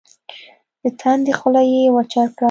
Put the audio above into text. د تندي خوله يې وچه کړه.